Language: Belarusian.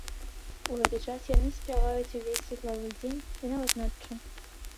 У гэты час яны спяваюць ўвесь светлавы дзень і нават ноччу.